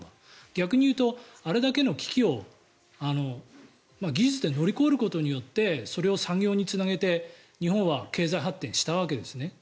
逆に言うと、あれだけの危機を技術で乗り越えることによってそれを産業につなげて日本は経済発展したわけですね。